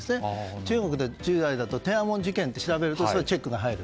中国で従来だと天安門事件と調べるとそれはチェックが入る。